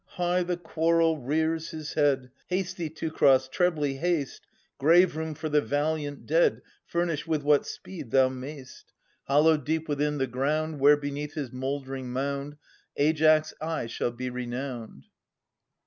High the quarrel rears his head! Haste thee, Teucer, trebly haste, Grave room for the valiant dead Furnish with what speed thou may'st, 1166 1191] A ias 93 Hollowed deep within the ground, Where beneath his mouldering mound Aias aye shall he renowned.